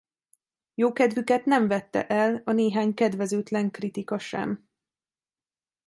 Jókedvüket nem vette el a néhány kedvezőtlen kritika sem.